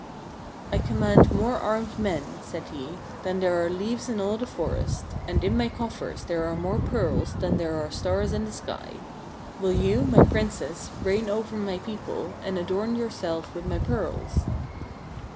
I command more armed men," said he, " than there are leaves in all the forests ; and in my coffers there are more pearls than there are stars in the sky. Will you, O Princess, reign over my people, and adorn yourself with my pearls